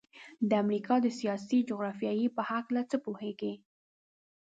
د امریکا د سیاسي جغرافیې په هلکه څه پوهیږئ؟